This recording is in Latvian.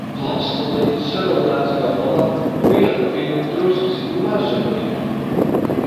Plastilīns sarullēts gabalā, pielipini drusciņ mazumiņu.